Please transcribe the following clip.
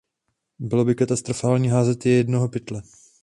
Bylo by katastrofální házet je jednoho pytle.